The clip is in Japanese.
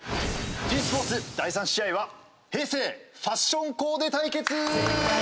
ｇスポーツ第３試合は平成ファッションコーデ対決！